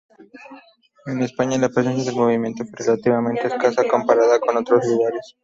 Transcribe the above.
En España la presencia del movimiento fue relativamente escasa comparada con otros lugares.